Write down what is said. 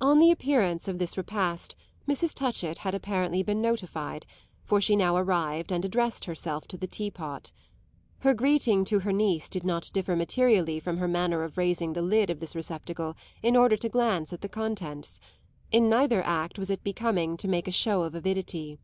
On the appearance of this repast Mrs. Touchett had apparently been notified, for she now arrived and addressed herself to the tea pot. Her greeting to her niece did not differ materially from her manner of raising the lid of this receptacle in order to glance at the contents: in neither act was it becoming to make a show of avidity.